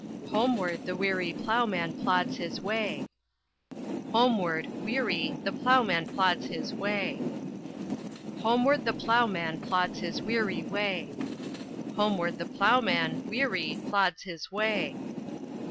Homeward the weary ploughman plods his way. Homeward, weary, the ploughman plods his way. Homeward the ploughman plods his weary way. Homeward the ploughman, weary, plods his way.